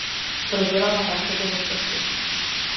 Prodělala rakovinu prsu.